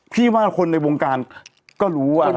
พี่ว่าคนในวงการก็รู้ว่า